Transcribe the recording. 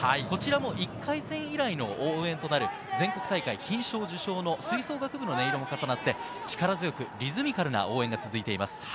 １回戦以来の応援となる、全国大会金賞を受賞の吹奏楽部の音色が重なって、力強くリズミカルな応援が続いています。